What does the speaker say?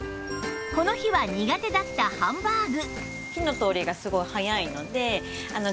この日は苦手だったハンバーグ